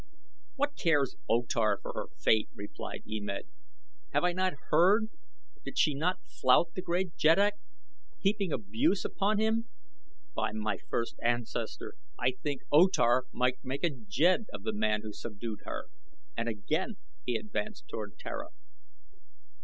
"What cares O Tar for her fate?" replied E Med. "Have I not heard? Did she not flout the great jeddak, heaping abuse upon him? By my first ancestor, I think O Tar might make a jed of the man who subdued her," and again he advanced toward Tara.